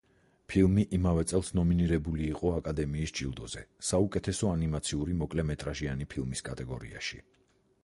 ფილმი იმავე წელს ნომინირებული იყო აკადემიის ჯილდოზე საუკეთესო ანიმაციური მოკლემეტრაჟიანი ფილმის კატეგორიაში.